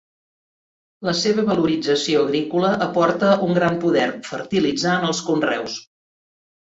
La seva valorització agrícola aporta un gran poder fertilitzant els conreus.